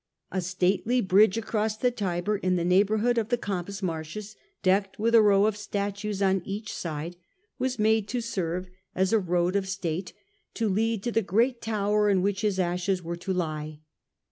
A stately bridge across the Tiber, in the neigh bourhood of the Campus Martius, decked with a row of statues on each side, was made to serve as a road of 1 1 7 138. Hadrian. 7 1 state to lead to the great tower in which his ashes were to lie.